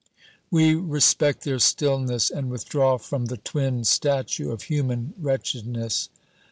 We respect their stillness, and withdraw from the twin statue of human wretchedness.